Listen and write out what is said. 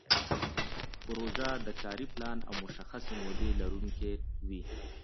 پروژه د کاري پلان او مشخصې مودې لرونکې وي.